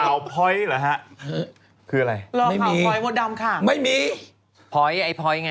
เข้าไปเข้ามารับถึงเรื่องหมดเลยนะ